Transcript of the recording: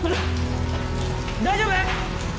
大丈夫！？